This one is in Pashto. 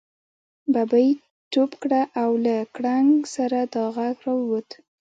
ببۍ ټوپ کړه او له کړنګ سره دا غږ را ووت.